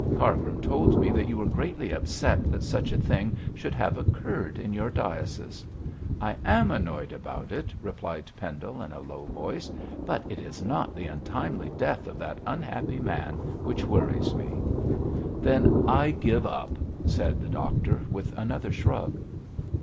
'Cargrim told me that you were greatly upset that such a thing should have occurred in your diocese.' 'I am annoyed about it,' replied Pendle, in a low voice, 'but it is not the untimely death of that unhappy man which worries me.' 'Then I give it up,' said the doctor, with another shrug.